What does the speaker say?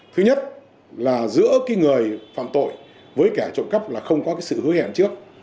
thứ nhất là giữa cái người phạm tội với kẻ trộm cắp là không có cái sự hứa hẹn trước